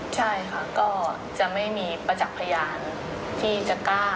ใช่ค่ะก็จะไม่มีประจักษ์พยานที่จะกล้า